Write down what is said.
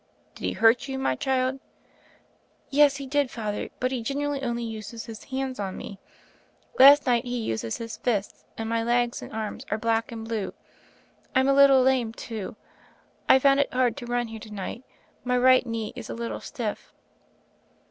"Did he hurt you, my child?" "Yes, he did. Father; but he generally only uses his hand on me. Last night he used his fists, and my legs and arms are black and blue. Fm a little lame, too. I found it hard to run here to night ; my right knee is a little stiff."